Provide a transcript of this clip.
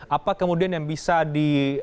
apa kemudian yang bisa di